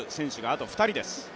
あと２人です。